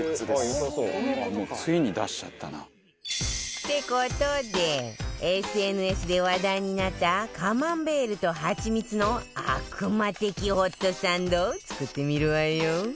って事で ＳＮＳ で話題になったカマンベールとハチミツの悪魔的ホットサンドを作ってみるわよ